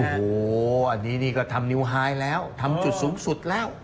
โอ้โหอันนี้นี่ก็ทำนิวไฮแล้วทำจุดสูงสุดแล้ว